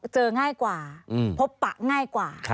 ง่ายกว่าพบปะง่ายกว่า